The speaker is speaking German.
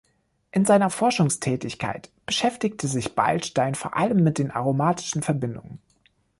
In seiner Forschungstätigkeit beschäftigte sich Beilstein vor allem mit den aromatischen Verbindungen.